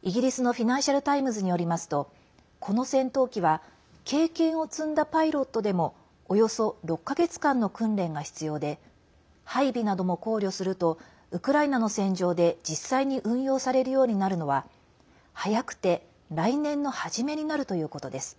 イギリスのフィナンシャル・タイムズによりますとこの戦闘機は経験を積んだパイロットでもおよそ６か月間の訓練が必要で配備なども考慮するとウクライナの戦場で実際に運用されるようになるのは早くて来年の初めになるということです。